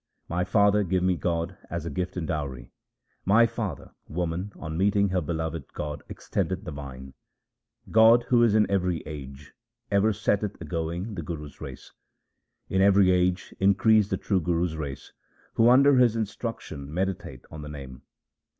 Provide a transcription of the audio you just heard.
My father, give me God as a gift and dowry. My father, woman on meeting her beloved God extendeth the vine. 1 God, who is in every age, ever setteth a going the Guru's race ; In every age increaseth the true Guru's race who under his instruction meditate on the Name.